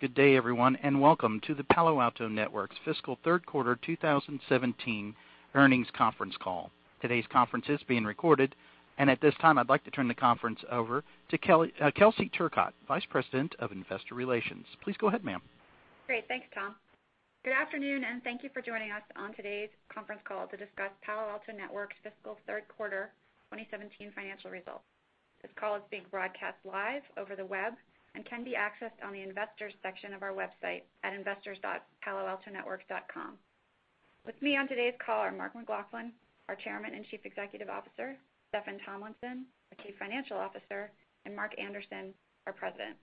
Good day, everyone, and welcome to the Palo Alto Networks fiscal third quarter 2017 earnings conference call. Today's conference is being recorded, and at this time, I'd like to turn the conference over to Kelsey Turcotte, Vice President of Investor Relations. Please go ahead, ma'am. Great. Thanks, Tom. Good afternoon, and thank you for joining us on today's conference call to discuss Palo Alto Networks' fiscal third quarter 2017 financial results. This call is being broadcast live over the web and can be accessed on the investors section of our website at investors.paloaltonetworks.com. With me on today's call are Mark McLaughlin, our Chairman and Chief Executive Officer, Steffan Tomlinson, our Chief Financial Officer, and Mark Anderson, our President.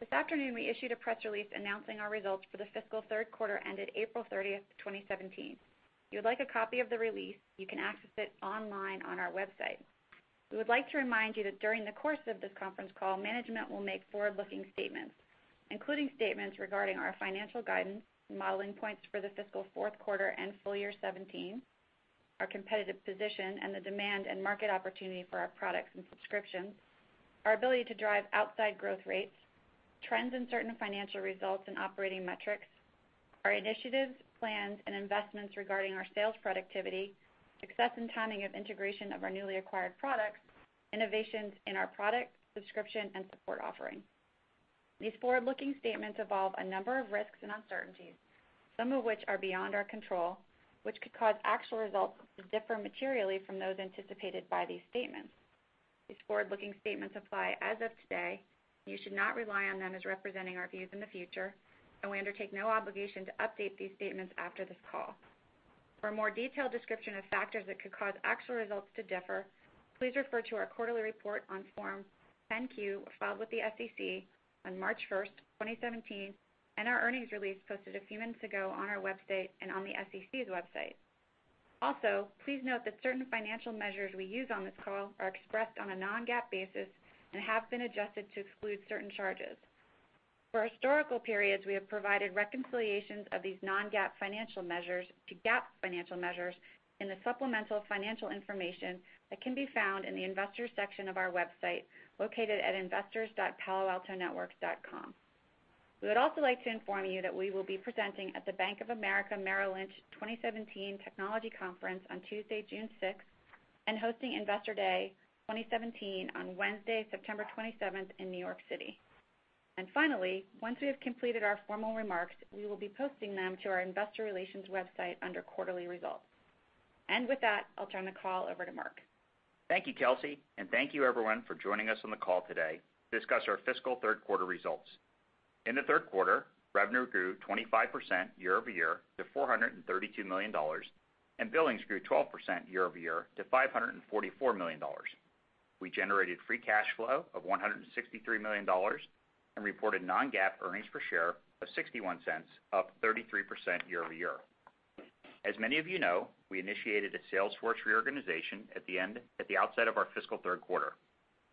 This afternoon, we issued a press release announcing our results for the fiscal third quarter ended April 30th, 2017. If you would like a copy of the release, you can access it online on our website. We would like to remind you that during the course of this conference call, management will make forward-looking statements, including statements regarding our financial guidance, modeling points for the fiscal fourth quarter and full year 2017, our competitive position, and the demand and market opportunity for our products and subscriptions, our ability to drive outsize growth rates, trends in certain financial results and operating metrics, our initiatives, plans, and investments regarding our sales productivity, success and timing of integration of our newly acquired products, innovations in our product, subscription, and support offerings. These forward-looking statements involve a number of risks and uncertainties, some of which are beyond our control, which could cause actual results to differ materially from those anticipated by these statements. These forward-looking statements apply as of today. You should not rely on them as representing our views in the future, and we undertake no obligation to update these statements after this call. For a more detailed description of factors that could cause actual results to differ, please refer to our quarterly report on Form 10-Q filed with the SEC on March 1st, 2017, and our earnings release posted a few minutes ago on our website and on the SEC's website. Also, please note that certain financial measures we use on this call are expressed on a non-GAAP basis and have been adjusted to exclude certain charges. For historical periods, we have provided reconciliations of these non-GAAP financial measures to GAAP financial measures in the supplemental financial information that can be found in the Investors section of our website, located at investors.paloaltonetworks.com. We would also like to inform you that we will be presenting at the Bank of America Merrill Lynch 2017 Technology Conference on Tuesday, June 6th, and hosting Investor Day 2017 on Wednesday, September 27th in New York City. Finally, once we have completed our formal remarks, we will be posting them to our investor relations website under quarterly results. With that, I'll turn the call over to Mark. Thank you, Kelsey, and thank you everyone for joining us on the call today to discuss our fiscal third quarter results. In the third quarter, revenue grew 25% year-over-year to $432 million, and billings grew 12% year-over-year to $544 million. We generated free cash flow of $163 million and reported non-GAAP earnings per share of $0.61, up 33% year-over-year. As many of you know, we initiated a sales force reorganization at the outset of our fiscal third quarter.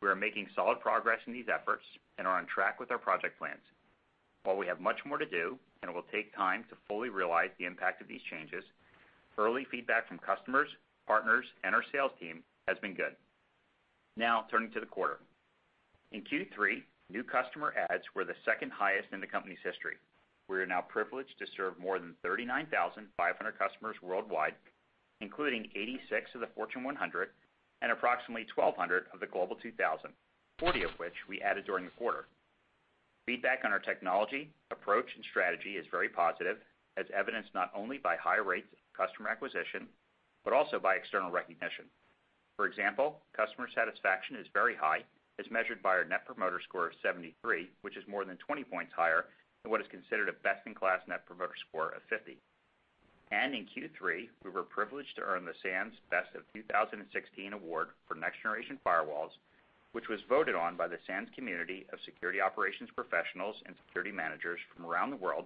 We are making solid progress in these efforts and are on track with our project plans. While we have much more to do and it will take time to fully realize the impact of these changes, early feedback from customers, partners, and our sales team has been good. Now turning to the quarter. In Q3, new customer adds were the second highest in the company's history. We are now privileged to serve more than 39,500 customers worldwide, including 86 of the Fortune 100 and approximately 1,200 of the Global 2000, 40 of which we added during the quarter. Feedback on our technology, approach, and strategy is very positive, as evidenced not only by high rates of customer acquisition, but also by external recognition. For example, customer satisfaction is very high, as measured by our Net Promoter Score of 73, which is more than 20 points higher than what is considered a best-in-class Net Promoter Score of 50. In Q3, we were privileged to earn the SANS Best of 2016 Award for next generation firewalls, which was voted on by the SANS community of security operations professionals and security managers from around the world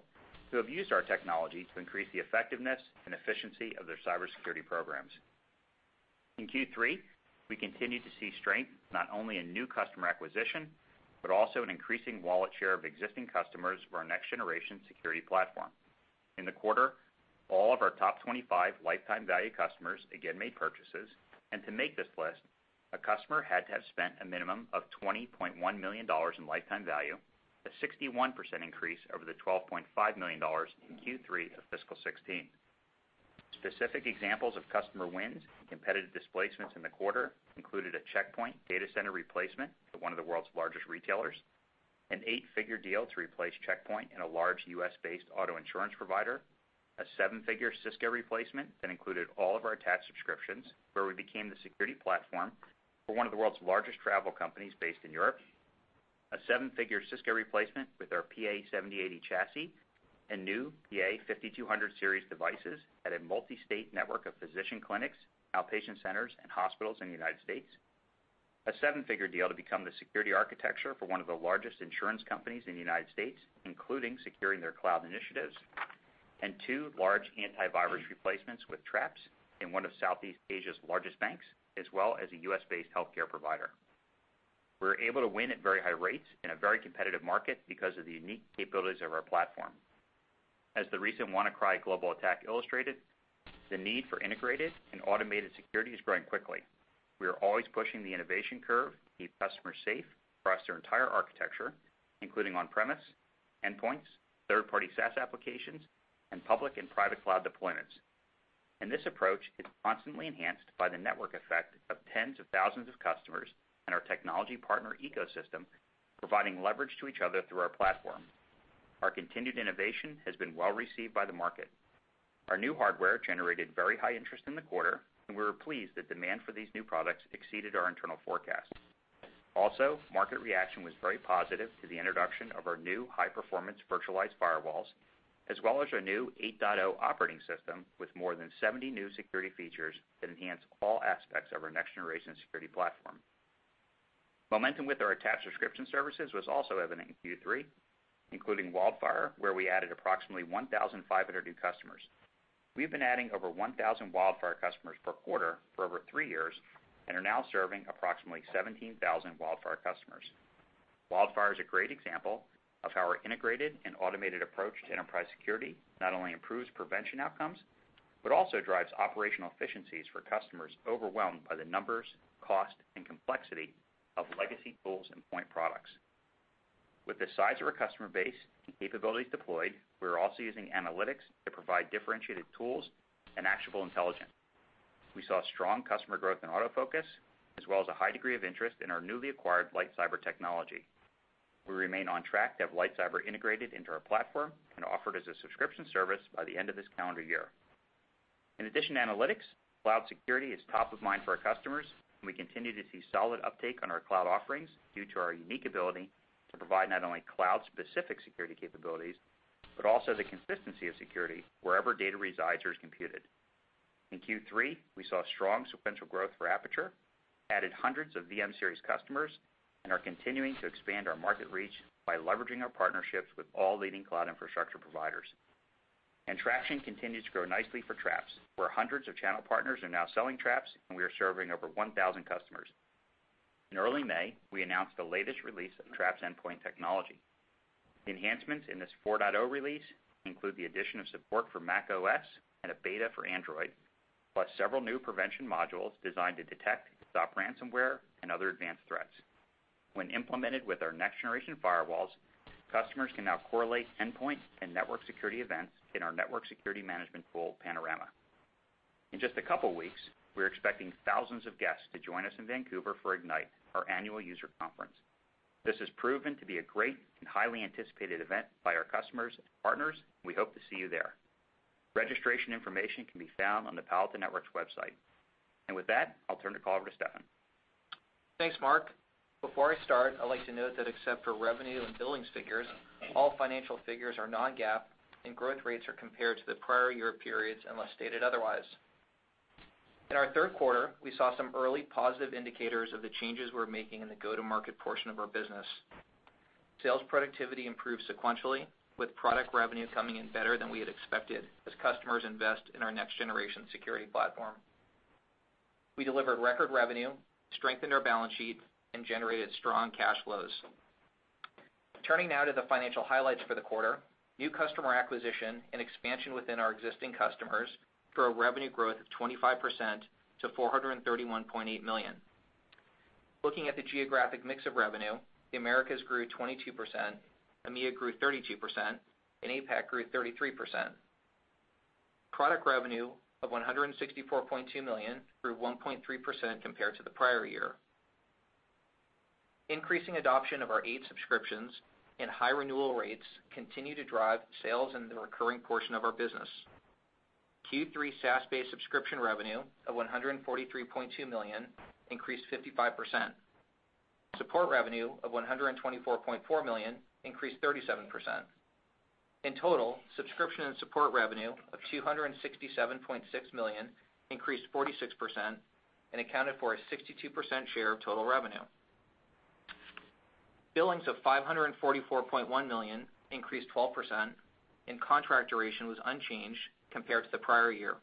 who have used our technology to increase the effectiveness and efficiency of their cybersecurity programs. In Q3, we continued to see strength not only in new customer acquisition, but also in increasing wallet share of existing customers for our Next-Generation Security Platform. In the quarter, all of our top 25 lifetime value customers again made purchases. To make this list, a customer had to have spent a minimum of $20.1 million in lifetime value, a 61% increase over the $12.5 million in Q3 of fiscal 2016. Specific examples of customer wins and competitive displacements in the quarter included a Check Point data center replacement at one of the world's largest retailers, an eight-figure deal to replace Check Point in a large U.S.-based auto insurance provider, a seven-figure Cisco replacement that included all of our attach subscriptions, where we became the security platform for one of the world's largest travel companies based in Europe. A seven-figure Cisco replacement with our PA-7080 chassis and new PA-5200 series devices at a multi-state network of physician clinics, outpatient centers, and hospitals in the United States. A seven-figure deal to become the security architecture for one of the largest insurance companies in the United States, including securing their cloud initiatives. Two large antivirus replacements with Traps in one of Southeast Asia's largest banks, as well as a U.S.-based healthcare provider. We were able to win at very high rates in a very competitive market because of the unique capabilities of our platform. As the recent WannaCry global attack illustrated, the need for integrated and automated security is growing quickly. We are always pushing the innovation curve to keep customers safe across their entire architecture, including on-premise, endpoints, third-party SaaS applications, and public and private cloud deployments. This approach is constantly enhanced by the network effect of tens of thousands of customers and our technology partner ecosystem, providing leverage to each other through our platform. Our continued innovation has been well-received by the market. Our new hardware generated very high interest in the quarter, and we were pleased that demand for these new products exceeded our internal forecast. Also, market reaction was very positive to the introduction of our new high-performance virtualized firewalls, as well as our new 8.0 operating system with more than 70 new security features that enhance all aspects of our Next-Generation Security Platform. Momentum with our attached subscription services was also evident in Q3, including WildFire, where we added approximately 1,500 new customers. We've been adding over 1,000 WildFire customers per quarter for over three years, and are now serving approximately 17,000 WildFire customers. WildFire is a great example of how our integrated and automated approach to enterprise security not only improves prevention outcomes, but also drives operational efficiencies for customers overwhelmed by the numbers, cost, and complexity of legacy tools and point products. With the size of our customer base and capabilities deployed, we are also using analytics to provide differentiated tools and actionable intelligence. We saw strong customer growth in AutoFocus, as well as a high degree of interest in our newly acquired LightCyber technology. We remain on track to have LightCyber integrated into our platform and offered as a subscription service by the end of this calendar year. In addition to analytics, cloud security is top of mind for our customers, and we continue to see solid uptake on our cloud offerings due to our unique ability to provide not only cloud-specific security capabilities, but also the consistency of security wherever data resides or is computed. In Q3, we saw strong sequential growth for Aperture, added hundreds of VM-Series customers, and are continuing to expand our market reach by leveraging our partnerships with all leading cloud infrastructure providers. Traction continues to grow nicely for Traps, where hundreds of channel partners are now selling Traps, and we are serving over 1,000 customers. In early May, we announced the latest release of Traps endpoint technology. The enhancements in this 4.0 release include the addition of support for macOS and a beta for Android, plus several new prevention modules designed to detect, stop ransomware, and other advanced threats. When implemented with our next-generation firewalls, customers can now correlate endpoint and network security events in our network security management tool, Panorama. In just a couple of weeks, we're expecting thousands of guests to join us in Vancouver for Ignite, our annual user conference. This has proven to be a great and highly anticipated event by our customers and partners, and we hope to see you there. Registration information can be found on the Palo Alto Networks website. With that, I'll turn the call over to Steffan. Thanks, Mark. Before I start, I'd like to note that except for revenue and billings figures, all financial figures are non-GAAP, and growth rates are compared to the prior year periods, unless stated otherwise. In our third quarter, we saw some early positive indicators of the changes we're making in the go-to-market portion of our business. Sales productivity improved sequentially, with product revenue coming in better than we had expected as customers invest in our Next-Generation Security Platform. We delivered record revenue, strengthened our balance sheet, and generated strong cash flows. Turning now to the financial highlights for the quarter. New customer acquisition and expansion within our existing customers drove revenue growth of 25% to $431.8 million. Looking at the geographic mix of revenue, the Americas grew 22%, EMEA grew 32%, APAC grew 33%. Product revenue of $164.2 million grew 1.3% compared to the prior year. Increasing adoption of our eight subscriptions and high renewal rates continue to drive sales in the recurring portion of our business. Q3 SaaS-based subscription revenue of $143.2 million increased 55%. Support revenue of $124.4 million increased 37%. In total, subscription and support revenue of $267.6 million increased 46% and accounted for a 62% share of total revenue. Billings of $544.1 million increased 12%, and contract duration was unchanged compared to the prior year.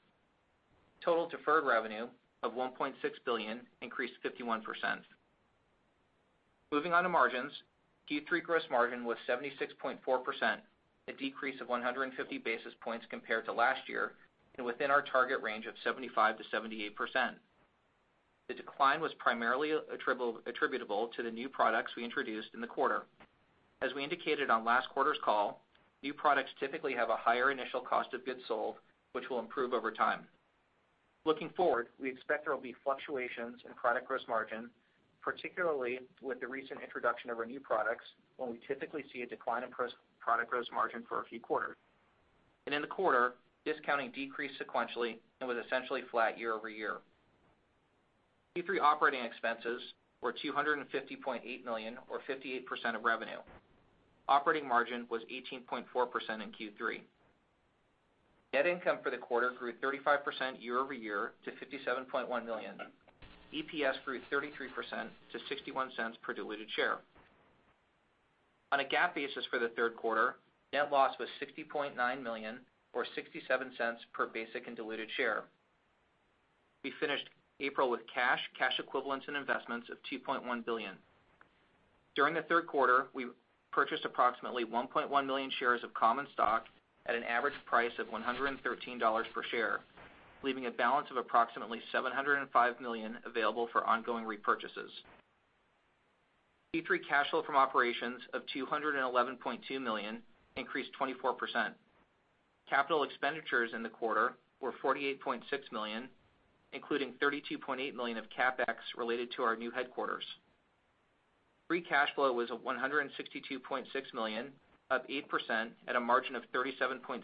Total deferred revenue of $1.6 billion increased 51%. Moving on to margins. Q3 gross margin was 76.4%, a decrease of 150 basis points compared to last year, and within our target range of 75%-78%. The decline was primarily attributable to the new products we introduced in the quarter. As we indicated on last quarter's call, new products typically have a higher initial cost of goods sold, which will improve over time. Looking forward, we expect there will be fluctuations in product gross margin, particularly with the recent introduction of our new products, when we typically see a decline in product gross margin for a few quarters. In the quarter, discounting decreased sequentially and was essentially flat year-over-year. Q3 operating expenses were $250.8 million, or 58% of revenue. Operating margin was 18.4% in Q3. Net income for the quarter grew 35% year-over-year to $57.1 million. EPS grew 33% to $0.61 per diluted share. On a GAAP basis for the third quarter, net loss was $60.9 million or $0.67 per basic and diluted share. We finished April with cash equivalents and investments of $2.1 billion. During the third quarter, we purchased approximately 1.1 million shares of common stock at an average price of $113 per share, leaving a balance of approximately $705 million available for ongoing repurchases. Q3 cash flow from operations of $211.2 million increased 24%. Capital expenditures in the quarter were $48.6 million, including $32.8 million of CapEx related to our new headquarters. Free cash flow was at $162.6 million, up 8%, at a margin of 37.7%.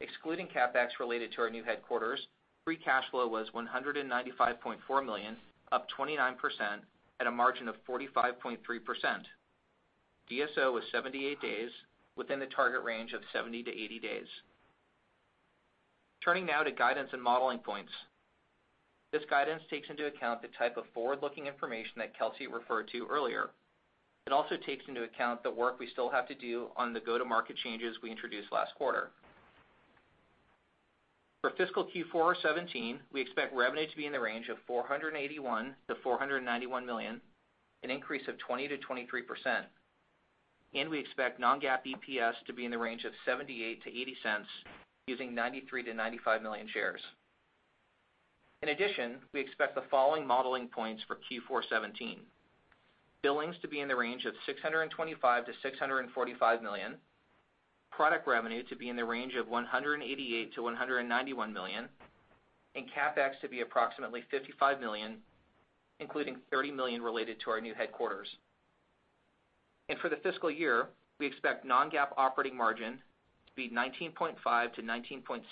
Excluding CapEx related to our new headquarters, free cash flow was $195.4 million, up 29%, at a margin of 45.3%. DSO was 78 days, within the target range of 70 to 80 days. Turning now to guidance and modeling points. This guidance takes into account the type of forward-looking information that Kelsey referred to earlier. It also takes into account the work we still have to do on the go-to-market changes we introduced last quarter. For fiscal Q4 2017, we expect revenue to be in the range of $481 million-$491 million, an increase of 20%-23%. We expect non-GAAP EPS to be in the range of $0.78-$0.80, using 93 million-95 million shares. In addition, we expect the following modeling points for Q4 2017. Billings to be in the range of $625 million-$645 million, product revenue to be in the range of $188 million-$191 million, CapEx to be approximately $55 million, including $30 million related to our new headquarters. For the fiscal year, we expect non-GAAP operating margin to be 19.5%-19.6%,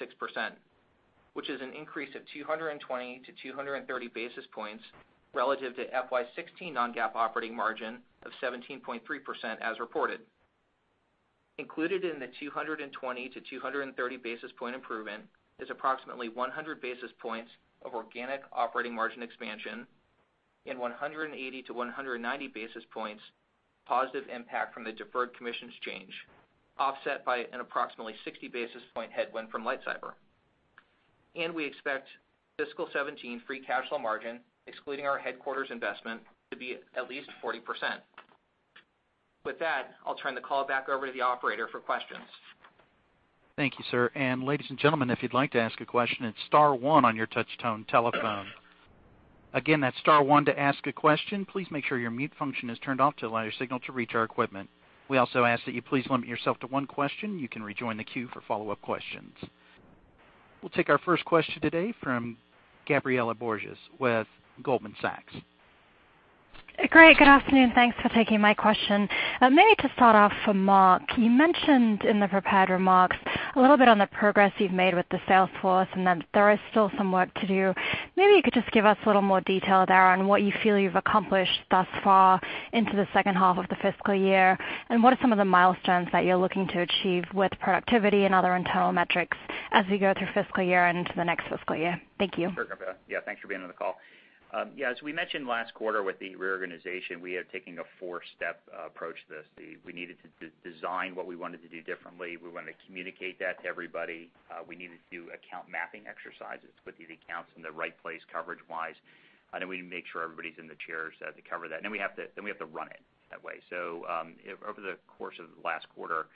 which is an increase of 220 to 230 basis points relative to FY 2016 non-GAAP operating margin of 17.3%, as reported. Included in the 220 to 230 basis point improvement is approximately 100 basis points of organic operating margin expansion, 180 to 190 basis points positive impact from the deferred commissions change, offset by an approximately 60 basis point headwind from LightCyber. We expect fiscal 2017 free cash flow margin, excluding our headquarters investment, to be at least 40%. With that, I'll turn the call back over to the operator for questions. Thank you, sir. Ladies and gentlemen, if you'd like to ask a question, it's star one on your touch tone telephone. Again, that's star one to ask a question. Please make sure your mute function is turned off to allow your signal to reach our equipment. We also ask that you please limit yourself to one question. You can rejoin the queue for follow-up questions. We'll take our first question today from Gabriela Borges with Goldman Sachs. Great. Good afternoon. Thanks for taking my question. Maybe to start off for Mark, you mentioned in the prepared remarks a little bit on the progress you've made with the sales force and that there is still some work to do. Maybe you could just give us a little more detail there on what you feel you've accomplished thus far into the second half of the fiscal year, and what are some of the milestones that you're looking to achieve with productivity and other internal metrics as we go through fiscal year and into the next fiscal year? Thank you. Sure, Gabriela. Thanks for being on the call. As we mentioned last quarter with the reorganization, we are taking a four-step approach to this. We needed to design what we wanted to do differently. We wanted to communicate that to everybody. We needed to do account mapping exercises to put these accounts in the right place coverage-wise. Then we need to make sure everybody's in the chairs to cover that. We have to run it that way. Over the course of the last quarter,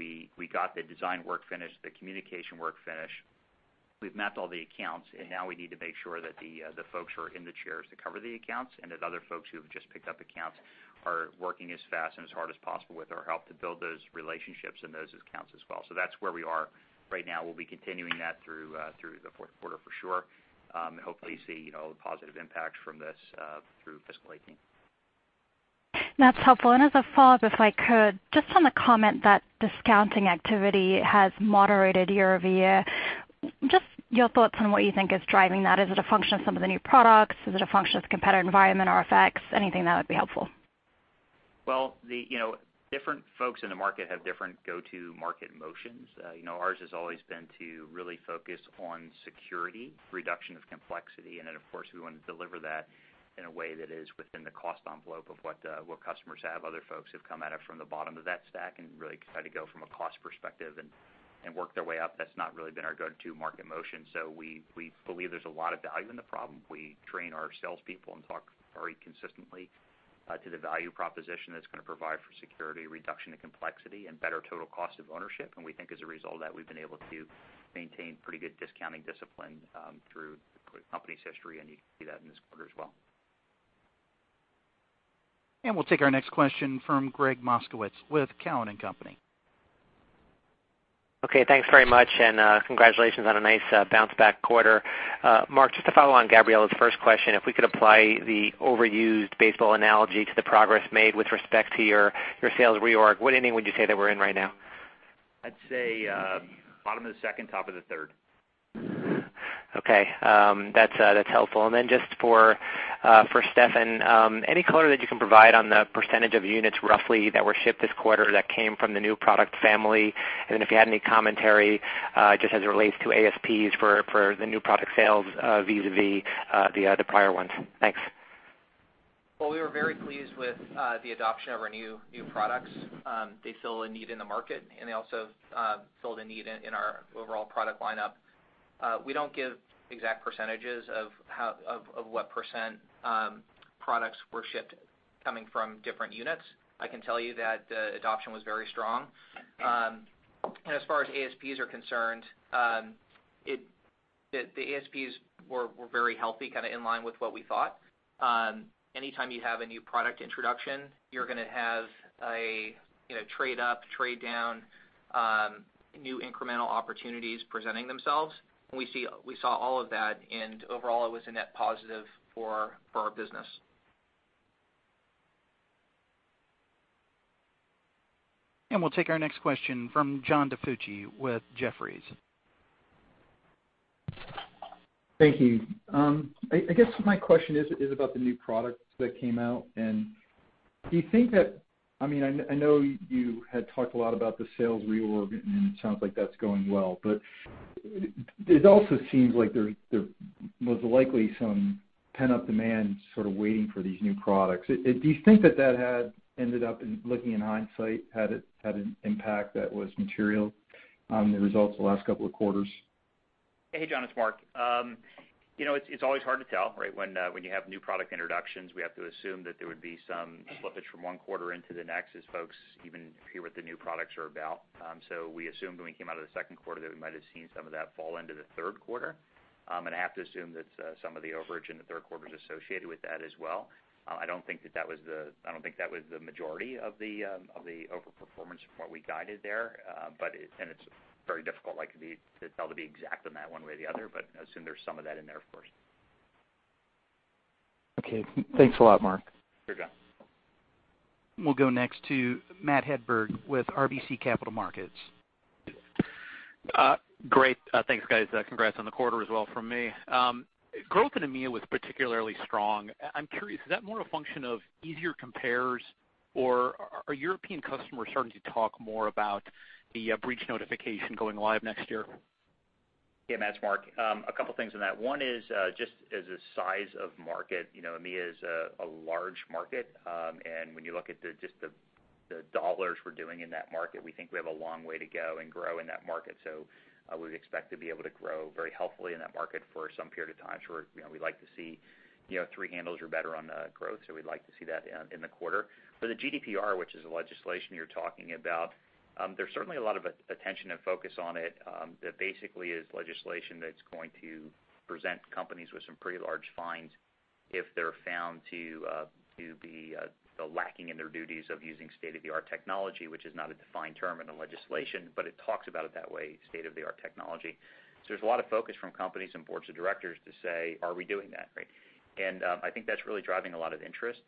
we got the design work finished, the communication work finished. We've mapped all the accounts, now we need to make sure that the folks are in the chairs to cover the accounts and that other folks who have just picked up accounts are working as fast and as hard as possible with our help to build those relationships and those accounts as well. That's where we are right now. We'll be continuing that through the fourth quarter for sure. Hopefully see the positive impact from this through FY 2018. That's helpful. As a follow-up, if I could, just on the comment that discounting activity has moderated year-over-year, just your thoughts on what you think is driving that. Is it a function of some of the new products? Is it a function of the competitor environment or effects? Anything that would be helpful. Well, different folks in the market have different go-to market motions. Ours has always been to really focus on security, reduction of complexity, and then of course, we want to deliver that in a way that is within the cost envelope of what customers have. Other folks have come at it from the bottom of that stack and really tried to go from a cost perspective and work their way up. That's not really been our go-to market motion. We believe there's a lot of value in the problem. We train our salespeople and talk very consistently to the value proposition that's going to provide for security, reduction in complexity, and better total cost of ownership. We think as a result of that, we've been able to maintain pretty good discounting discipline through the company's history, and you can see that in this quarter as well. We'll take our next question from Gregg Moskowitz with Cowen and Company. Okay, thanks very much, congratulations on a nice bounce-back quarter. Mark, just to follow on Gabriela's first question, if we could apply the overused baseball analogy to the progress made with respect to your sales reorg, what inning would you say that we're in right now? I'd say bottom of the second, top of the third. Okay, that's helpful. Just for Steffan, any color that you can provide on the percentage of units roughly that were shipped this quarter that came from the new product family? If you had any commentary just as it relates to ASPs for the new product sales vis-à-vis the other prior ones. Thanks. Well, we were very pleased with the adoption of our new products. They fill a need in the market, and they also filled a need in our overall product lineup. We don't give exact percentages of what % products were shipped coming from different units. I can tell you that the adoption was very strong. As far as ASPs are concerned, the ASPs were very healthy, kind of in line with what we thought. Anytime you have a new product introduction, you're going to have a trade up, trade down, new incremental opportunities presenting themselves. We saw all of that, and overall, it was a net positive for our business. We'll take our next question from John DiFucci with Jefferies. Thank you. I guess my question is about the new products that came out. I know you had talked a lot about the sales reorg, and it sounds like that's going well, but it also seems like there was likely some pent-up demand sort of waiting for these new products. Do you think that that had ended up in, looking in hindsight, had an impact that was material on the results the last couple of quarters? Hey, John, it's Mark. It's always hard to tell, right? When you have new product introductions, we have to assume that there would be some slippage from one quarter into the next as folks even hear what the new products are about. We assumed when we came out of the second quarter that we might've seen some of that fall into the third quarter. I have to assume that some of the overage in the third quarter is associated with that as well. I don't think that was the majority of the over-performance from what we guided there. It's very difficult to tell to be exact on that one way or the other, but I assume there's some of that in there, of course. Okay. Thanks a lot, Mark. Sure, John. We'll go next to Matthew Hedberg with RBC Capital Markets. Great. Thanks, guys. Congrats on the quarter as well from me. Growth in EMEA was particularly strong. I'm curious, is that more a function of easier compares, or are European customers starting to talk more about the breach notification going live next year? Yeah, Matt, it's Mark. A couple things on that. One is just as a size of market, EMEA is a large market. When you look at just the dollars we're doing in that market, we think we have a long way to go and grow in that market. We expect to be able to grow very healthily in that market for some period of time. Sure, we'd like to see three handles or better on growth, so we'd like to see that in the quarter. For the GDPR, which is the legislation you're talking about, there's certainly a lot of attention and focus on it. That basically is legislation that's going to present companies with some pretty large fines if they're found to be lacking in their duties of using state-of-the-art technology, which is not a defined term in the legislation, but it talks about it that way, state-of-the-art technology. There's a lot of focus from companies and boards of directors to say, "Are we doing that?" Right? I think that's really driving a lot of interest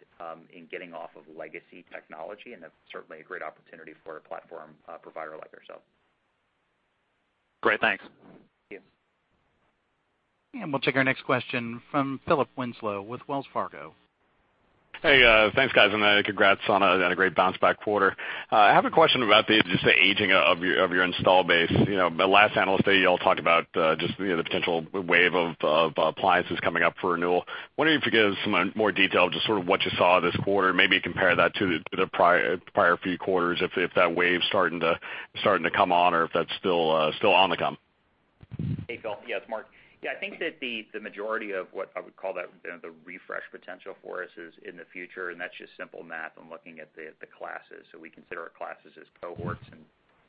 in getting off of legacy technology, and that's certainly a great opportunity for a platform provider like ourselves. Great. Thanks. Yeah. We'll take our next question from Philip Winslow with Wells Fargo. Hey, thanks, guys, and congrats on a great bounce-back quarter. I have a question about the, just the aging of your install base. At last Analyst Day, you all talked about just the potential wave of appliances coming up for renewal. Wondering if you could give some more detail, just sort of what you saw this quarter, maybe compare that to the prior few quarters, if that wave's starting to come on or if that's still on the come. Hey, Phil. Yeah, it's Mark. I think that the majority of what I would call the refresh potential for us is in the future, and that's just simple math and looking at the classes. We consider our classes as cohorts and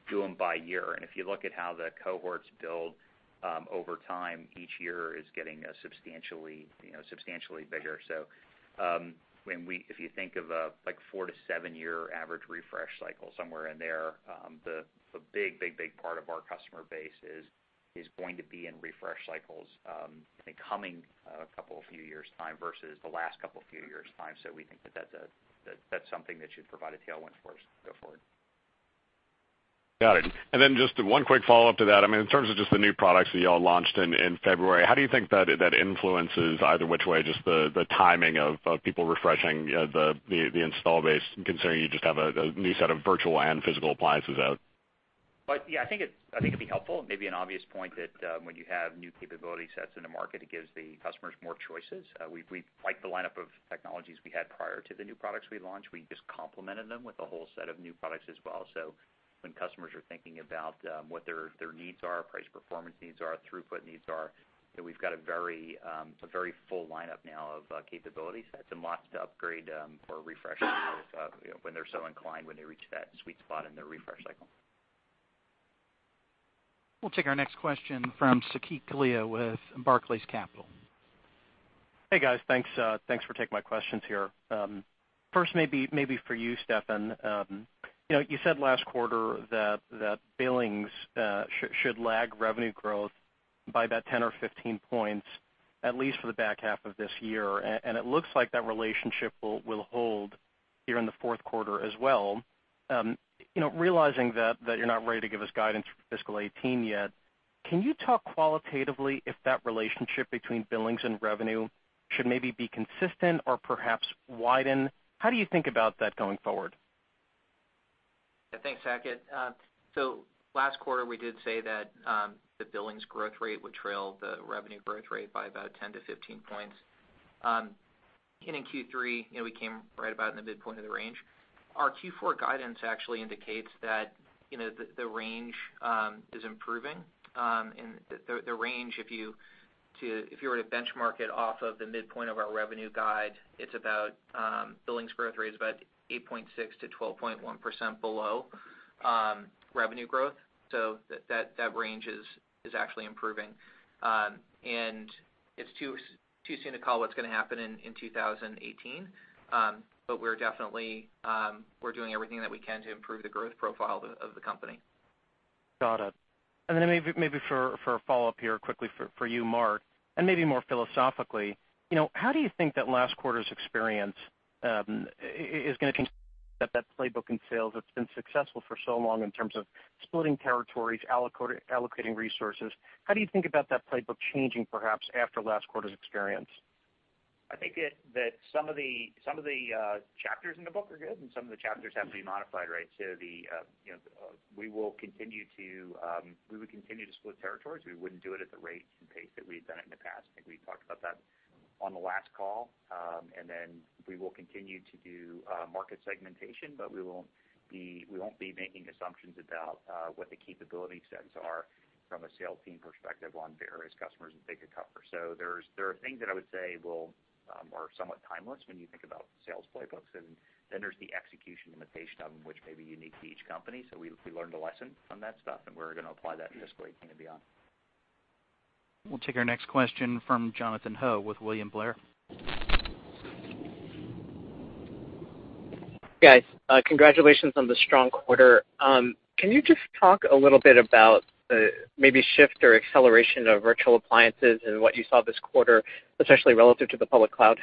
do them by year. If you look at how the cohorts build over time, each year is getting substantially bigger. If you think of a four- to seven-year average refresh cycle, somewhere in there, the big part of our customer base is going to be in refresh cycles in the coming couple few years' time versus the last couple few years' time. We think that that's something that should provide a tailwind for us go forward. Got it. Then just one quick follow-up to that. In terms of just the new products that you all launched in February, how do you think that influences, either which way, just the timing of people refreshing the install base, considering you just have a new set of virtual and physical appliances out? Yeah, I think it'd be helpful. Maybe an obvious point that when you have new capability sets in the market, it gives the customers more choices. We liked the lineup of technologies we had prior to the new products we launched. We just complemented them with a whole set of new products as well. When customers are thinking about what their needs are, price performance needs are, throughput needs are, that we've got a very full lineup now of capability sets and lots to upgrade or refresh with when they're so inclined, when they reach that sweet spot in their refresh cycle. We'll take our next question from Saket Kalia with Barclays Capital. Hey, guys. Thanks for taking my questions here. First, maybe for you, Steffan. You said last quarter that billings should lag revenue growth by about 10 or 15 points, at least for the back half of this year, and it looks like that relationship will hold here in the fourth quarter as well. Realizing that you're not ready to give us guidance for fiscal 2018 yet, can you talk qualitatively if that relationship between billings and revenue should maybe be consistent or perhaps widen? How do you think about that going forward? Yeah. Thanks, Saket. Last quarter, we did say that the billings growth rate would trail the revenue growth rate by about 10 to 15 points. In Q3, we came right about in the midpoint of the range. Our Q4 guidance actually indicates that the range is improving. The range, if you were to benchmark it off of the midpoint of our revenue guide, billings growth rate is about 8.6%-12.1% below revenue growth. That range is actually improving. It's too soon to call what's going to happen in 2018. We're doing everything that we can to improve the growth profile of the company. Got it. Maybe for a follow-up here quickly for you, Mark, and maybe more philosophically, how do you think that last quarter's experience is going to change that playbook in sales that's been successful for so long in terms of splitting territories, allocating resources? How do you think about that playbook changing perhaps after last quarter's experience? I think that some of the chapters in the book are good, some of the chapters have to be modified, right? We would continue to split territories. We wouldn't do it at the rate and pace that we had done it in the past. I think we talked about that on the last call. We will continue to do market segmentation, but we won't be making assumptions about what the capability sets are from a sales team perspective on various customers that they could cover. There are things that I would say are somewhat timeless when you think about sales playbooks, there's the execution limitation of them, which may be unique to each company. We learned a lesson from that stuff, and we're going to apply that in this quarter and beyond. We'll take our next question from Jonathan Ho with William Blair. Guys, congratulations on the strong quarter. Can you just talk a little bit about the maybe shift or acceleration of virtual appliances and what you saw this quarter, especially relative to the public cloud?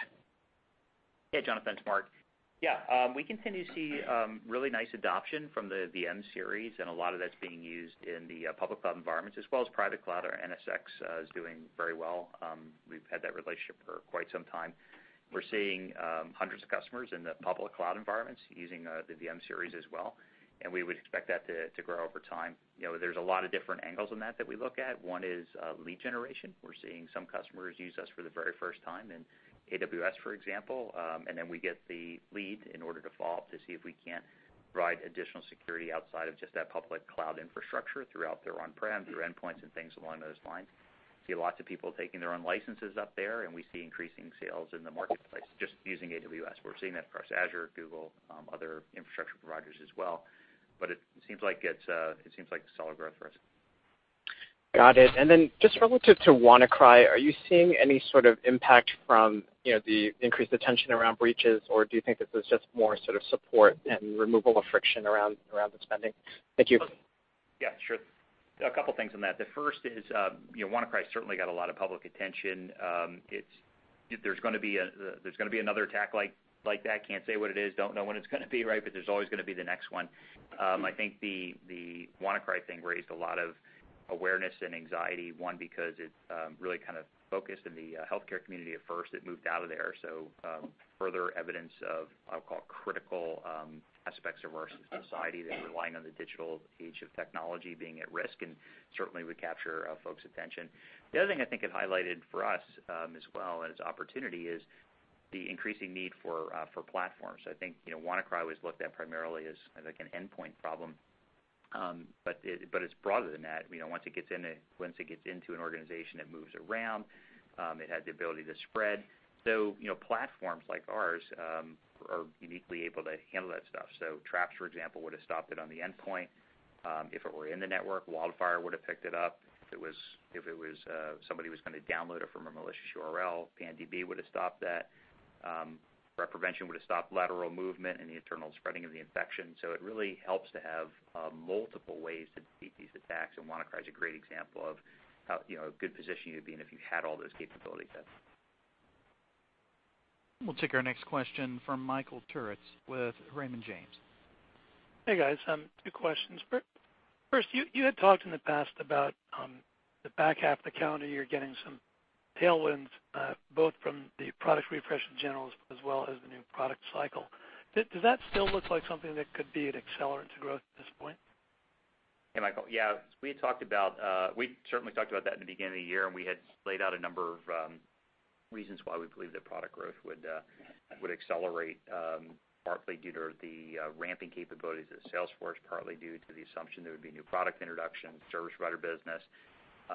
Hey, Jonathan. It's Mark. Yeah. We continue to see really nice adoption from the VM-Series, and a lot of that's being used in the public cloud environments as well as private cloud. Our NSX is doing very well. We've had that relationship for quite some time. We're seeing hundreds of customers in the public cloud environments using the VM-Series as well, and we would expect that to grow over time. There's a lot of different angles on that that we look at. One is lead generation. We're seeing some customers use us for the very first time in AWS, for example, and then we get the lead in order to follow up to see if we can't provide additional security outside of just that public cloud infrastructure throughout their on-prem, through endpoints and things along those lines. We see lots of people taking their own licenses up there, we see increasing sales in the marketplace just using AWS. We're seeing that across Azure, Google, other infrastructure providers as well. It seems like solid growth for us. Got it. Then just relative to WannaCry, are you seeing any sort of impact from the increased attention around breaches, or do you think this is just more sort of support and removal of friction around the spending? Thank you. Yeah, sure. A couple things on that. The first is WannaCry certainly got a lot of public attention. There's going to be another attack like that. Can't say what it is, don't know when it's going to be, right, but there's always going to be the next one. I think the WannaCry thing raised a lot of awareness and anxiety. One, because it really kind of focused in the healthcare community at first. It moved out of there, so further evidence of, I'll call, critical aspects of our society that are relying on the digital age of technology being at risk, and certainly would capture folks' attention. The other thing I think it highlighted for us as well, and as opportunity, is the increasing need for platforms. I think WannaCry was looked at primarily as an endpoint problem. It's broader than that. Once it gets into an organization, it moves around. It has the ability to spread. Platforms like ours are uniquely able to handle that stuff. Traps, for example, would have stopped it on the endpoint. If it were in the network, WildFire would have picked it up. If somebody was going to download it from a malicious URL, PAN-DB would have stopped that. Threat Prevention would have stopped lateral movement and the internal spreading of the infection. It really helps to have multiple ways to beat these attacks, and WannaCry is a great example of a good position you'd be in if you had all those capability sets. We'll take our next question from Michael Turits with Raymond James. Hey, guys. Two questions. First, you had talked in the past about the back half of the calendar year getting some tailwinds, both from the product refresh in general as well as the new product cycle. Does that still look like something that could be an accelerant to growth at this point? Hey, Michael. Yeah. We certainly talked about that in the beginning of the year, and we had laid out a number of reasons why we believe that product growth would accelerate, partly due to the ramping capabilities at sales force, partly due to the assumption there would be new product introduction, service provider business,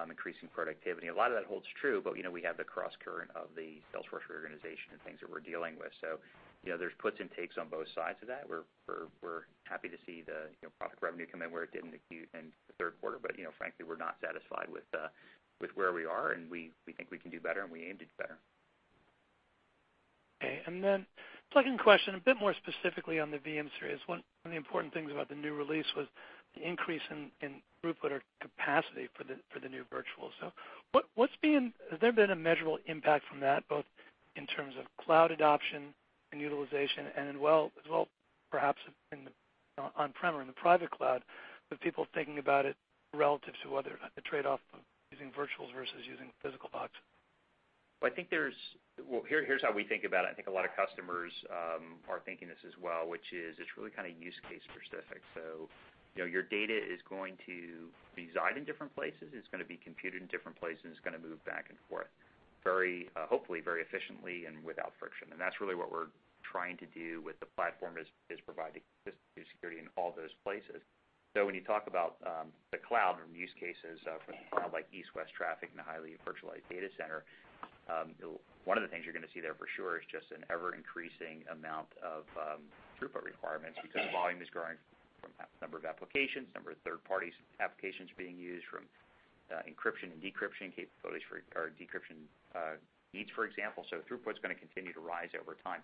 increasing productivity. A lot of that holds true, we have the cross current of the sales force reorganization and things that we're dealing with. There's puts and takes on both sides of that. We're happy to see the product revenue come in where it did in the third quarter, frankly, we're not satisfied with where we are, and we think we can do better, and we aim to do better. Okay. Second question, a bit more specifically on the VM-Series. One of the important things about the new release was the increase in throughput or capacity for the new virtual. Has there been a measurable impact from that, both in terms of cloud adoption and utilization and as well perhaps in the on-prem or in the private cloud, with people thinking about it relative to whether or not the trade-off of using virtual versus using physical boxes? Well, here's how we think about it. I think a lot of customers are thinking this as well, which is it's really use case specific. Your data is going to reside in different places, it's going to be computed in different places, and it's going to move back and forth, hopefully very efficiently and without friction. That's really what we're trying to do with the platform is providing consistency of security in all those places. When you talk about the cloud and use cases for the cloud like east-west traffic and a highly virtualized data center, one of the things you're going to see there for sure is just an ever-increasing amount of throughput requirements because volume is growing from the number of applications, number of third-party applications being used, from encryption and decryption capabilities for decryption needs, for example. Throughput is going to continue to rise over time.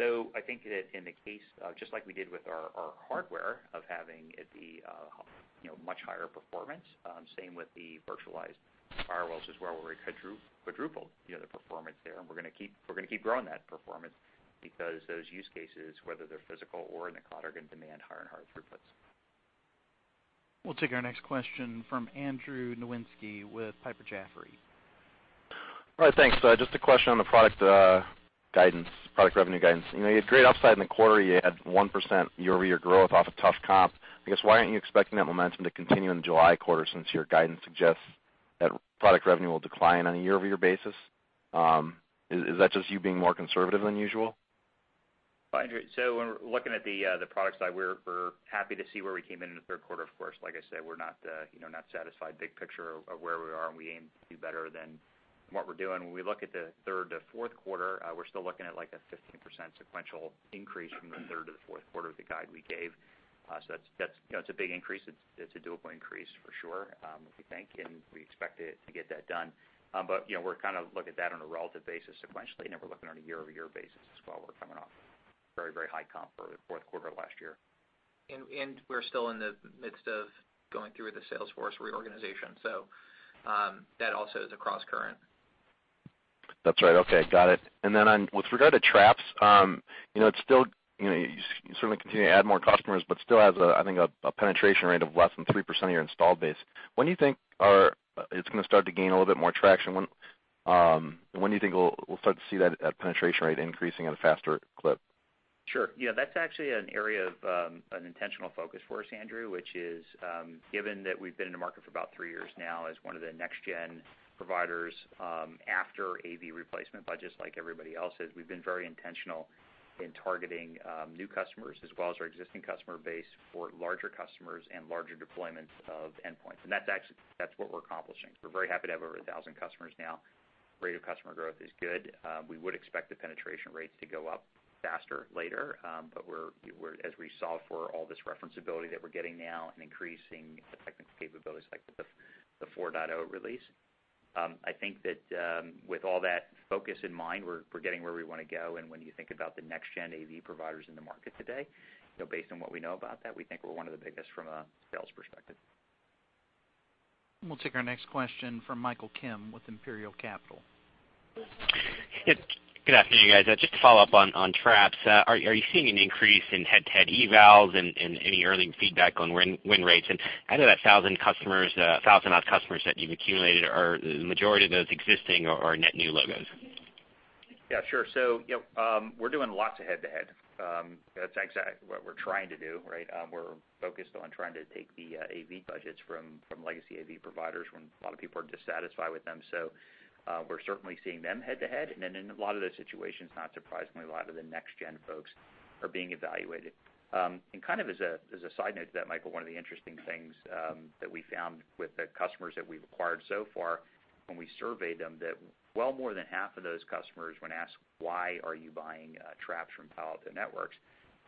I think that in the case, just like we did with our hardware of having it be much higher performance, same with the virtualized firewalls as well, where we quadrupled the performance there. We're going to keep growing that performance because those use cases, whether they're physical or in the cloud, are going to demand higher and higher throughputs. We'll take our next question from Andrew Nowinski with Piper Jaffray. All right, thanks. Just a question on the product revenue guidance. You had great upside in the quarter. You had 1% year-over-year growth off a tough comp. I guess, why aren't you expecting that momentum to continue in the July quarter since your guidance suggests that product revenue will decline on a year-over-year basis? Is that just you being more conservative than usual? Hi, Andrew. When we're looking at the product side, we're happy to see where we came in in the third quarter. Of course, like I said, we're not satisfied big picture of where we are, and we aim to do better than what we're doing. When we look at the third to fourth quarter, we're still looking at a 15% sequential increase from the third to the fourth quarter of the guide we gave. That's a big increase. It's a doable increase for sure, we think, and we expect to get that done. We're looking at that on a relative basis sequentially. Now we're looking on a year-over-year basis as well. We're coming off a very high comp for the fourth quarter of last year. We're still in the midst of going through the sales force reorganization, that also is a cross current. That's right. Okay. Got it. With regard to Traps, you certainly continue to add more customers, still has, I think, a penetration rate of less than 3% of your installed base. When do you think it's going to start to gain a little bit more traction? When do you think we'll start to see that penetration rate increasing at a faster clip? Sure. That's actually an area of an intentional focus for us, Andrew, which is given that we've been in the market for about three years now as one of the next-gen providers after AV replacement budgets, like everybody else is, we've been very intentional in targeting new customers as well as our existing customer base for larger customers and larger deployments of endpoints. That's what we're accomplishing. We're very happy to have over 1,000 customers now. Rate of customer growth is good. We would expect the penetration rates to go up faster later, but as we solve for all this reference ability that we're getting now and increasing the technical capabilities like the 4.0 release, I think that with all that focus in mind, we're getting where we want to go. When you think about the next-gen AV providers in the market today, based on what we know about that, we think we're one of the biggest from a sales perspective. We'll take our next question from Michael Kim with Imperial Capital. Good afternoon, guys. Just to follow up on Traps. Are you seeing an increase in head-to-head evals and any early feedback on win rates? Out of that 1,000 odd customers that you've accumulated, are the majority of those existing or net new logos? Yeah, sure. We're doing lots of head-to-head. That's exactly what we're trying to do, right? We're focused on trying to take the AV budgets from legacy AV providers when a lot of people are dissatisfied with them. We're certainly seeing them head-to-head. In a lot of those situations, not surprisingly, a lot of the next-gen folks are being evaluated. As a side note to that, Michael, one of the interesting things that we found with the customers that we've acquired so far when we surveyed them, that well more than half of those customers when asked, why are you buying Traps from Palo Alto Networks,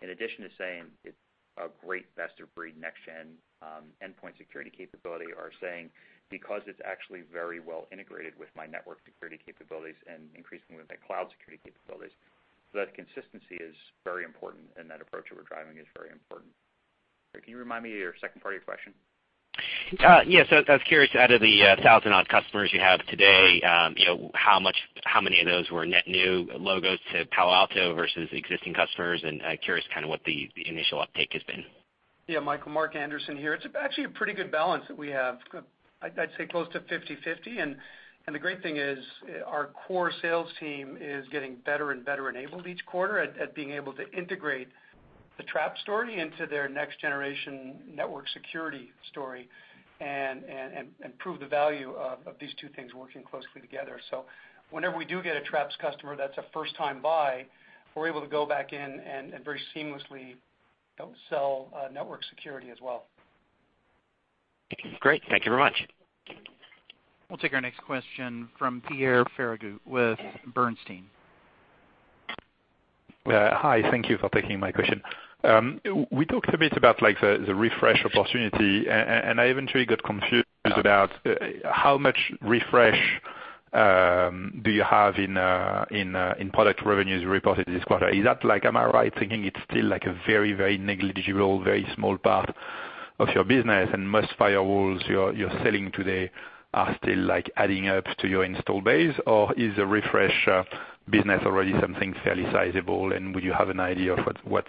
in addition to saying it's a great best-of-breed, next-gen endpoint security capability, are saying, "Because it's actually very well integrated with my network security capabilities and increasingly with my cloud security capabilities." That consistency is very important, and that approach that we're driving is very important. Can you remind me of your second part of your question? Yeah. I was curious, out of the 1,000 odd customers you have today, how many of those were net new logos to Palo Alto versus existing customers? Curious what the initial uptake has been. Yeah, Michael. Mark Anderson here. It's actually a pretty good balance that we have. I'd say close to 50/50. The great thing is our core sales team is getting better and better enabled each quarter at being able to integrate the Traps story into their next-generation network security story and prove the value of these two things working closely together. Whenever we do get a Traps customer that's a first-time buy, we're able to go back in and very seamlessly sell network security as well. Great. Thank you very much. We'll take our next question from Pierre Ferragu with Bernstein. Hi. Thank you for taking my question. We talked a bit about the refresh opportunity, and I eventually got confused about how much refresh do you have in product revenues reported this quarter. Am I right thinking it's still a very negligible, very small part of your business, and most firewalls you're selling today are still adding up to your install base? Or is the refresh business already something fairly sizable, and would you have an idea of what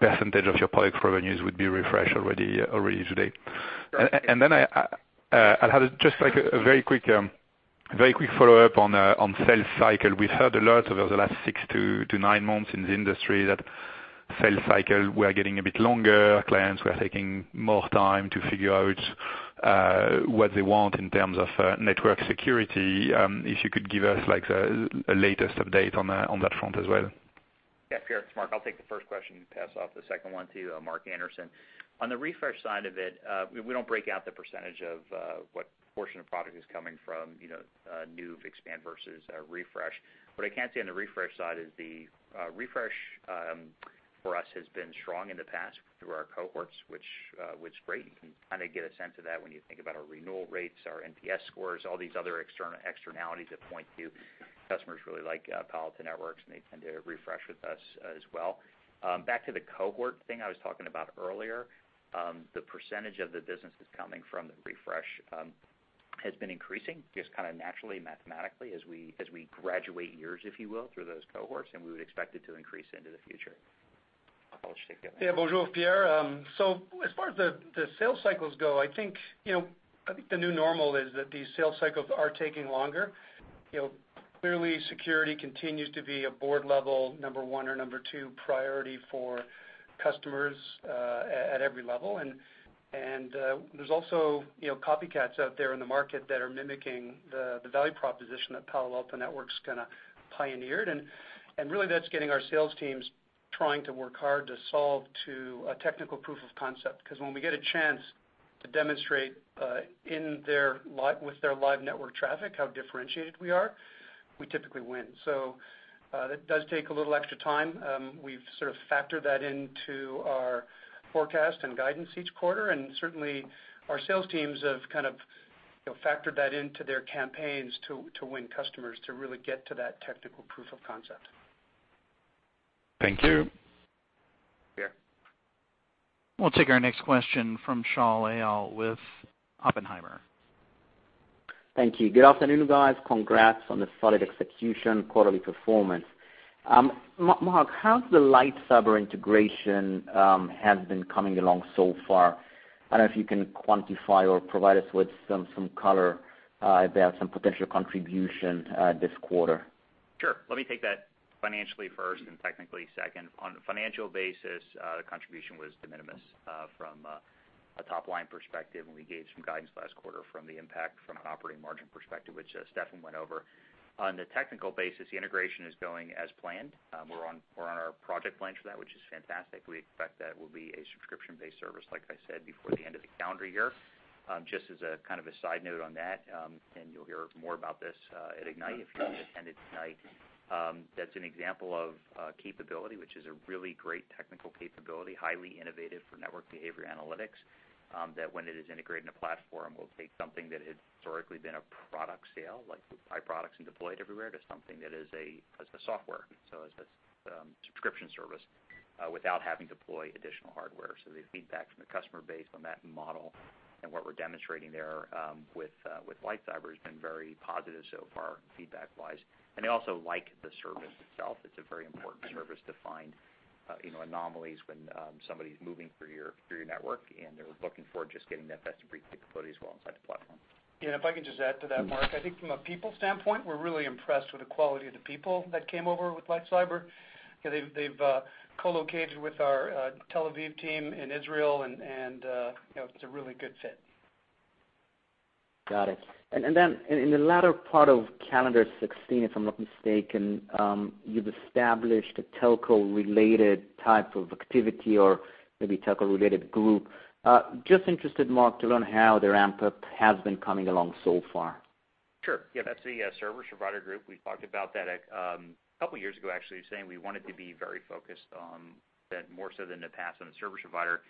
percentage of your product revenues would be refresh already today? I'll have just a very quick follow-up on sales cycle. We've heard a lot over the last six to nine months in the industry that sales cycles were getting a bit longer. Clients were taking more time to figure out what they want in terms of network security. If you could give us a latest update on that front as well. Pierre, it's Mark. I'll take the first question, pass off the second one to Mark Anderson. The refresh side of it, we don't break out the percentage of what portion of product is coming from new expand versus refresh. What I can say on the refresh side is the refresh for us has been strong in the past through our cohorts, which is great. You can kind of get a sense of that when you think about our renewal rates, our NPS scores, all these other externalities that point to customers really like Palo Alto Networks, they tend to refresh with us as well. Back to the cohort thing I was talking about earlier, the percentage of the business that's coming from the refresh has been increasing just kind of naturally, mathematically as we graduate years, if you will, through those cohorts, we would expect it to increase into the future. I'll let you take the other one. Yeah, bonjour, Pierre. As far as the sales cycles go, I think the new normal is that these sales cycles are taking longer. Clearly, security continues to be a board-level number 1 or number 2 priority for customers at every level. There's also copycats out there in the market that are mimicking the value proposition that Palo Alto Networks kind of pioneered. Really that's getting our sales teams trying to work hard to solve to a technical proof of concept, because when we get a chance to demonstrate with their live network traffic how differentiated we are, we typically win. That does take a little extra time. We've sort of factored that into our forecast and guidance each quarter, certainly our sales teams have factored that into their campaigns to win customers to really get to that technical proof of concept. Thank you. Yeah. We'll take our next question from Shaul Eyal with Oppenheimer. Thank you. Good afternoon, guys. Congrats on the solid execution quarterly performance. Mark, how's the LightCyber integration has been coming along so far? I don't know if you can quantify or provide us with some color about some potential contribution this quarter. Sure. Let me take that financially first and technically second. On a financial basis, the contribution was de minimis from a top-line perspective, and we gave some guidance last quarter from the impact from an operating margin perspective, which Steffan went over. On the technical basis, the integration is going as planned. We're on our project plan for that, which is fantastic. We expect that will be a subscription-based service, like I said, before the end of the calendar year. Just as a side note on that, you'll hear more about this at Ignite if you attend Ignite, that's an example of a capability, which is a really great technical capability, highly innovative for network behavior analytics, that when it is integrated in a platform, will take something that had historically been a product sale, like we buy products and deploy it everywhere, to something that is a software, so as a subscription service, without having to deploy additional hardware. The feedback from the customer base on that model and what we're demonstrating there with LightCyber has been very positive so far feedback-wise. They also like the service itself. It's a very important service to find anomalies when somebody's moving through your network, and they're looking forward to just getting that best-of-breed capability as well inside the platform. Yeah, if I can just add to that, Mark, I think from a people standpoint, we're really impressed with the quality of the people that came over with LightCyber. They've co-located with our Tel Aviv team in Israel, and it's a really good fit. Got it. In the latter part of calendar 2016, if I'm not mistaken, you've established a telco-related type of activity or maybe telco-related group. Just interested, Mark, to learn how the ramp-up has been coming along so far. Sure. Yeah, that's the service provider group. We talked about that a couple of years ago, actually, saying we wanted to be very focused on that more so than the past on the service provider,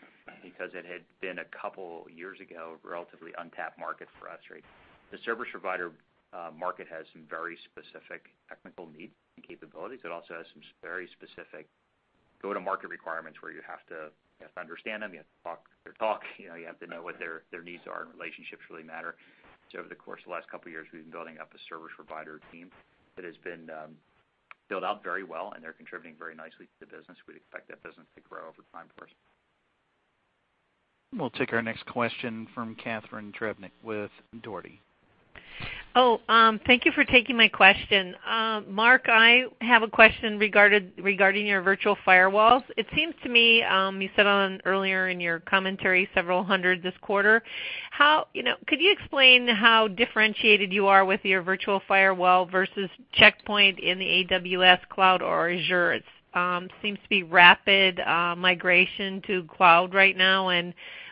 because it had been, a couple years ago, a relatively untapped market for us. The service provider market has some very specific technical needs and capabilities. It also has some very specific go-to-market requirements where you have to understand them, you have to talk their talk, you have to know what their needs are, and relationships really matter. Over the course of the last couple of years, we've been building up a service provider team that has been built out very well, and they're contributing very nicely to the business. We'd expect that business to grow over time for us. We'll take our next question from Catharine Trevick with Dougherty. Thank you for taking my question. Mark, I have a question regarding your virtual firewalls. It seems to me, you said earlier in your commentary several hundred this quarter. Could you explain how differentiated you are with your virtual firewall versus Check Point in the AWS cloud or Azure? It seems to be rapid migration to cloud right now.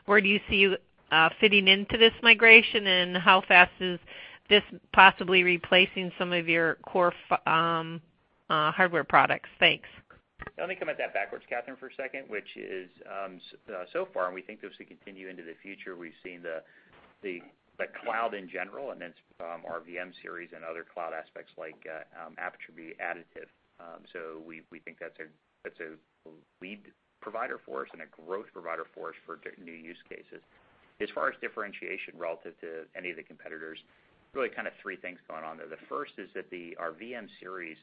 Where do you see fitting into this migration, and how fast is this possibly replacing some of your core hardware products? Thanks. Let me come at that backwards, Catharine, for a second, which is so far, we think this will continue into the future. We've seen the cloud in general, some of our VM-Series and other cloud aspects like Aperture be additive. We think that's a lead provider for us and a growth provider for us for new use cases. As far as differentiation relative to any of the competitors, 3 things going on there. The first is that our VM-Series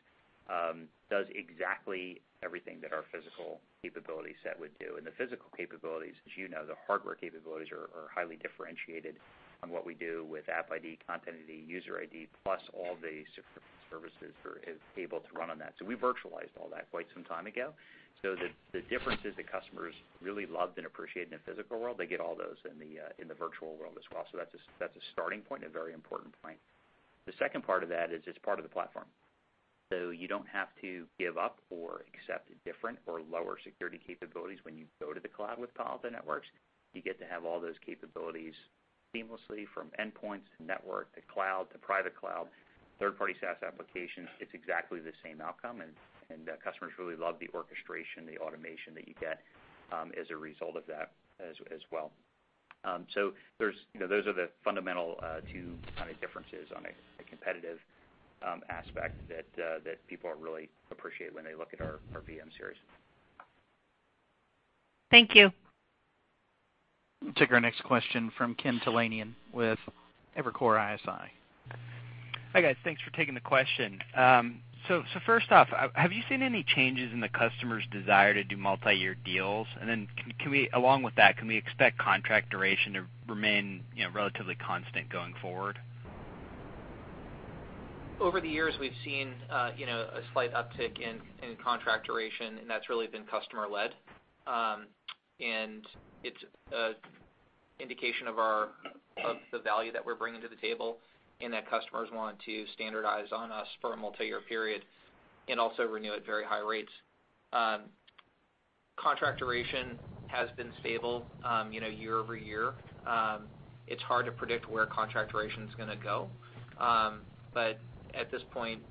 does exactly everything that our physical capability set would do, and the physical capabilities, as you know, the hardware capabilities are highly differentiated on what we do with App-ID, Content-ID, User-ID, plus all the services for able to run on that. We virtualized all that quite some time ago. The differences that customers really loved and appreciated in the physical world, they get all those in the virtual world as well. That's a starting point, a very important point. The second part of that is it's part of the platform. You don't have to give up or accept different or lower security capabilities when you go to the cloud with Palo Alto Networks. You get to have all those capabilities seamlessly from endpoints to network to cloud to private cloud, third-party SaaS applications. It's exactly the same outcome, and customers really love the orchestration, the automation that you get as a result of that as well. Those are the fundamental 2 differences on a competitive aspect that people really appreciate when they look at our VM-Series. Thank you. We'll take our next question from Ken Talanian with Evercore ISI. Hi, guys. Thanks for taking the question. First off, have you seen any changes in the customer's desire to do multi-year deals? Along with that, can we expect contract duration to remain relatively constant going forward? Over the years, we've seen a slight uptick in contract duration, and that's really been customer led. It's indication of the value that we're bringing to the table and that customers want to standardize on us for a multi-year period and also renew at very high rates. Contract duration has been stable year-over-year. It's hard to predict where contract duration's going to go. At this point,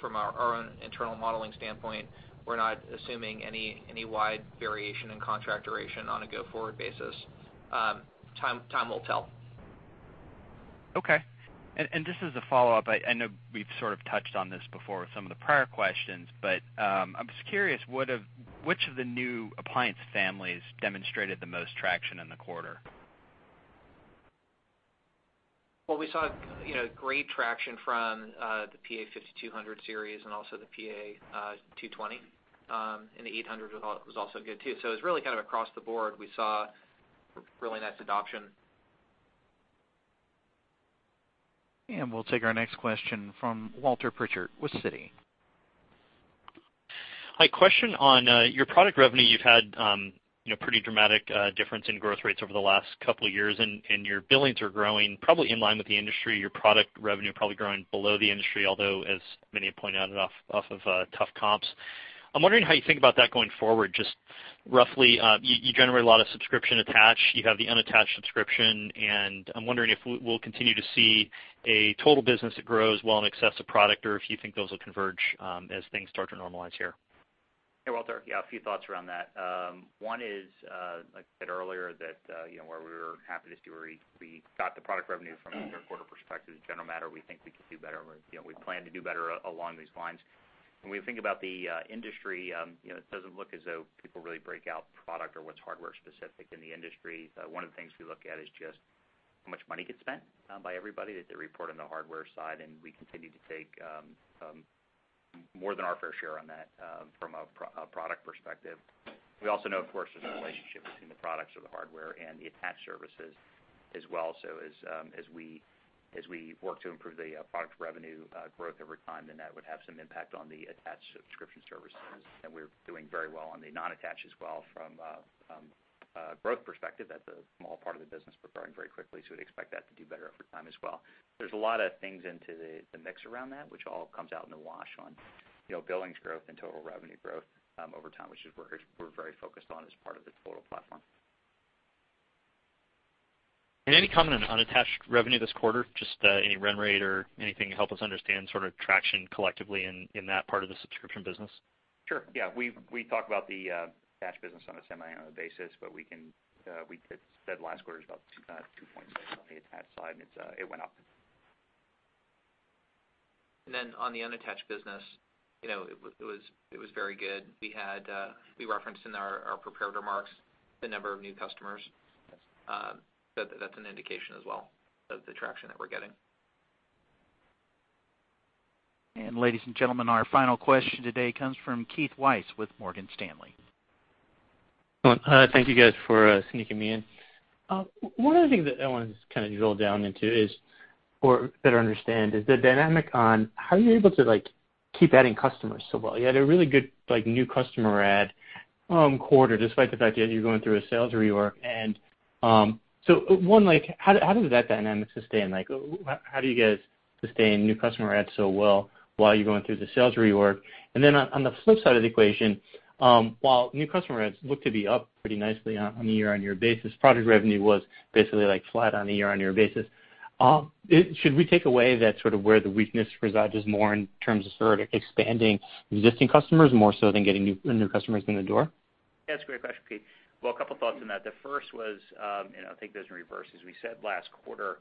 from our own internal modeling standpoint, we're not assuming any wide variation in contract duration on a go-forward basis. Time will tell. Okay. This is a follow-up. I know we've sort of touched on this before with some of the prior questions, but I'm just curious, which of the new appliance families demonstrated the most traction in the quarter? Well, we saw great traction from the PA-5200 series and also the PA-220. The 800 was also good too. It was really kind of across the board, we saw really nice adoption. We'll take our next question from Walter Pritchard with Citi. Hi, question on your product revenue. You've had pretty dramatic difference in growth rates over the last couple of years. Your billings are growing probably in line with the industry. Your product revenue probably growing below the industry, although as many have pointed out, off of tough comps. I'm wondering how you think about that going forward, just roughly you generate a lot of subscription attach, you have the unattached subscription. I'm wondering if we'll continue to see a total business that grows well in excess of product or if you think those will converge as things start to normalize here. Hey, Walter. Yeah, a few thoughts around that. One is like I said earlier that where we were happy to see where we got the product revenue from a quarter perspective. As a general matter, we think we could do better. We plan to do better along these lines. When we think about the industry, it doesn't look as though people really break out product or what's hardware specific in the industry. One of the things we look at is just how much money gets spent by everybody that they report on the hardware side. We continue to take more than our fair share on that from a product perspective. We also know, of course, there's a relationship between the products or the hardware and the attached services as well. As we work to improve the product revenue growth over time, that would have some impact on the attached subscription services. We're doing very well on the non-attached as well from a growth perspective. That's a small part of the business, but growing very quickly, we'd expect that to do better over time as well. There's a lot of things into the mix around that, which all comes out in the wash on billings growth and total revenue growth over time, which is we're very focused on as part of the total platform. Any comment on unattached revenue this quarter? Just any run rate or anything to help us understand traction collectively in that part of the subscription business? Sure, yeah. We talk about the attached business on a semi-annual basis, we said last quarter it was about 2.6 on the attached side. It went up. On the unattached business, it was very good. We referenced in our prepared remarks the number of new customers. That's an indication as well of the traction that we're getting. ladies and gentlemen, our final question today comes from Keith Weiss with Morgan Stanley. Thank you guys for sneaking me in. One of the things that I want to just drill down into is, or better understand, is the dynamic on how you're able to keep adding customers so well. You had a really good new customer add quarter, despite the fact that you're going through a sales reorg. One, how does that dynamic sustain? How do you guys sustain new customer adds so well while you're going through the sales reorg? On the flip side of the equation, while new customer adds look to be up pretty nicely on a year-on-year basis, product revenue was basically flat on a year-on-year basis. Should we take away that sort of where the weakness resides is more in terms of expanding existing customers more so than getting new customers in the door? That's a great question, Keith. A couple thoughts on that. The first was, I'll take this in reverse. As we said last quarter,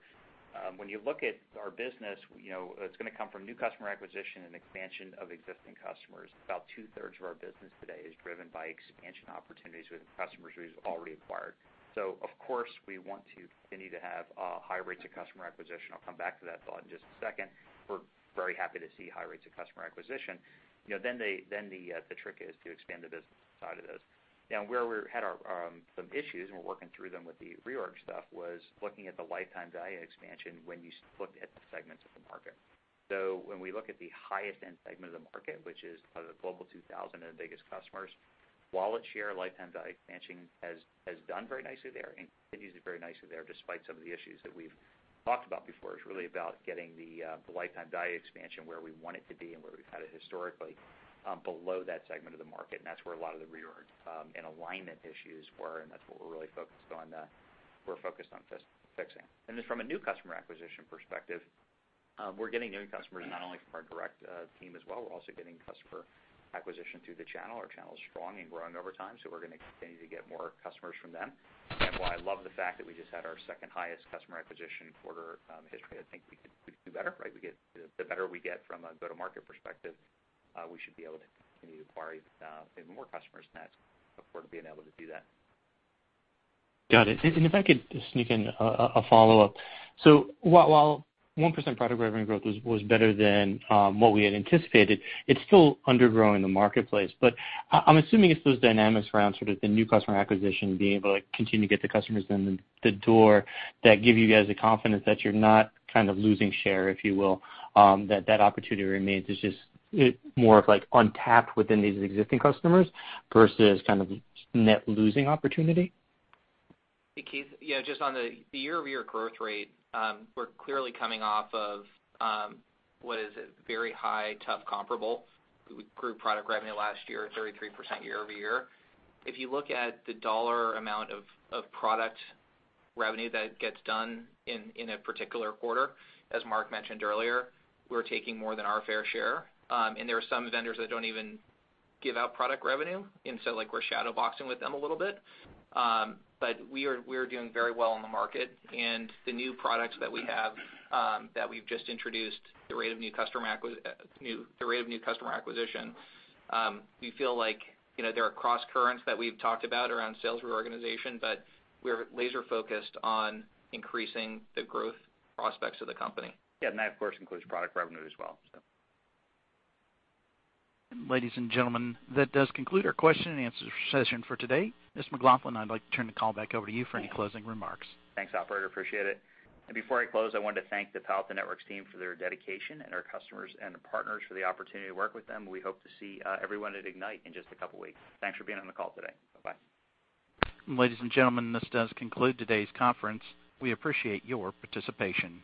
when you look at our business, it's going to come from new customer acquisition and expansion of existing customers. About two-thirds of our business today is driven by expansion opportunities with customers we've already acquired. Of course, we want to continue to have high rates of customer acquisition. I'll come back to that thought in just a second. We're very happy to see high rates of customer acquisition. The trick is to expand the business side of this. Where we had some issues, and we're working through them with the reorg stuff, was looking at the lifetime value expansion when you looked at the segments of the market. When we look at the highest end segment of the market, which is the Global 2000 and the biggest customers, wallet share, lifetime value expansion has done very nicely there, and continues very nicely there, despite some of the issues that we've talked about before. It's really about getting the lifetime value expansion where we want it to be and where we've had it historically below that segment of the market, and that's where a lot of the reorg and alignment issues were, and that's what we're really focused on fixing. From a new customer acquisition perspective, we're getting new customers not only from our direct team as well, we're also getting customer acquisition through the channel. Our channel is strong and growing over time, we're going to continue to get more customers from them. I love the fact that we just had our second-highest customer acquisition quarter in history, I think we could do better, right? The better we get from a go-to-market perspective, we should be able to continue to acquire even more customers than that. Look forward to being able to do that. Got it. If I could just sneak in a follow-up. While 1% product revenue growth was better than what we had anticipated, it's still undergrowing the marketplace. I'm assuming it's those dynamics around sort of the new customer acquisition, being able to continue to get the customers in the door that give you guys the confidence that you're not kind of losing share, if you will, that that opportunity remains. It's just more of untapped within these existing customers versus kind of net losing opportunity. Hey, Keith. Just on the year-over-year growth rate, we're clearly coming off of, what is it, very high, tough comparable. We grew product revenue last year 33% year-over-year. If you look at the dollar amount of product revenue that gets done in a particular quarter, as Mark mentioned earlier, we're taking more than our fair share. There are some vendors that don't even give out product revenue, and so we're shadow boxing with them a little bit. We are doing very well in the market, and the new products that we have that we've just introduced, the rate of new customer acquisition, we feel like there are crosscurrents that we've talked about around sales reorganization, but we're laser focused on increasing the growth prospects of the company. That of course includes product revenue as well. Ladies and gentlemen, that does conclude our question and answer session for today. Mr. McLaughlin, I'd like to turn the call back over to you for any closing remarks. Thanks, operator. Appreciate it. Before I close, I wanted to thank the Palo Alto Networks team for their dedication and our customers and partners for the opportunity to work with them. We hope to see everyone at Ignite in just a couple of weeks. Thanks for being on the call today. Bye-bye. Ladies and gentlemen, this does conclude today's conference. We appreciate your participation.